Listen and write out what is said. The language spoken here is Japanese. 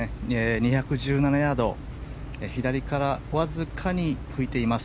２１７ヤード左からわずかに吹いています。